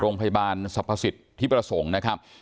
โรงพยาบาลสรรพสิทธิประสงค์นะครับ